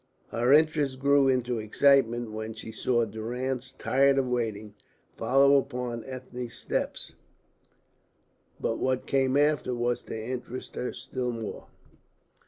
Her interest grew into an excitement when she saw Durrance, tired of waiting, follow upon Ethne's steps. But what came after was to interest her still more.